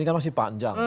ini kan masih panjang